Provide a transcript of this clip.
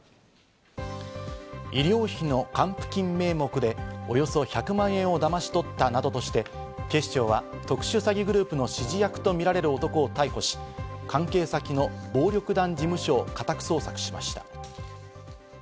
医療費の還付金名目でおよそ１００万円をだまし取ったなどとして、警視庁は特殊詐欺グループの指示役とみられる男を逮捕し、関係先の暴力団事務所を家宅捜索しました。